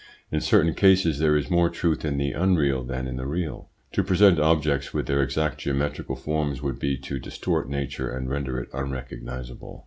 In certain cases there is more truth in the unreal than in the real. To present objects with their exact geometrical forms would be to distort nature and render it unrecognisable.